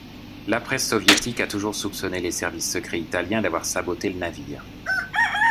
La presse soviétique a toujours soupçonné les services secrets italiens d'avoir saboté le navire.